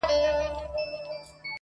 له شاتو نه، دا له شرابو نه شکَري غواړي.